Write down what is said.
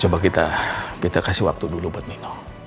coba kita kasih waktu dulu buat nino